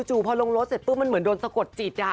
พอลงรถเสร็จปุ๊บมันเหมือนโดนสะกดจิต